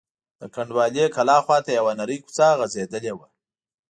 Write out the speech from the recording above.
د کنډوالې کلا خواته یوه نرۍ کوڅه غځېدلې وه.